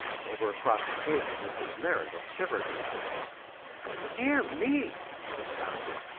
Over across the table Mrs. Merideth shivered a little. "Dear me!" she sighed.